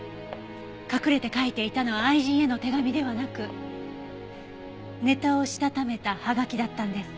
隠れて書いていたのは愛人への手紙ではなくネタをしたためたはがきだったんです。